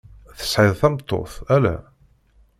Tesɛiḍ tameṭṭut, alla?